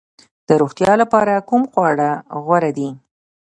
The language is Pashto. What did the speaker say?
د روغتیا لپاره کوم خواړه غوره دي؟